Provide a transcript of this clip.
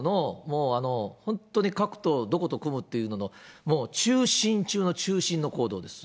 選挙の本当に各党、どこと組むっていうののもう中心中の中心の行動です。